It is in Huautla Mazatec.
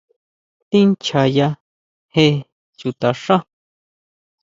¿Tíʼnchjaya je chuta xá?